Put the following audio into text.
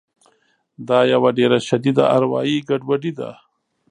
دا یوه ډېره شدیده اروایي ګډوډي ده